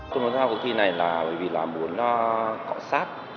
tôi muốn giao cuộc thi này là bởi vì là muốn cọ sát